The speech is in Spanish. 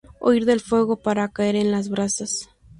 Huir del fuego para caer en las brasas